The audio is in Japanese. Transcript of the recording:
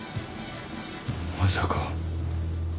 まさか。